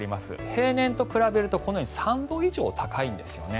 平年と比べると３度以上高いんですね。